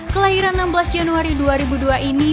kelahiran enam belas januari dua ribu dua ini